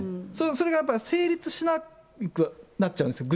それがやっぱり成立しなくなっちゃうんですよ。